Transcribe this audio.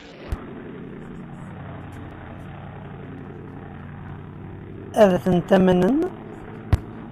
Ad tent-amnen?